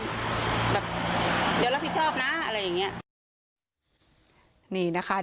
แบบเดี๋ยวเราพิชอบน่ะอะไรอย่างเงี้ยนี่นะคะ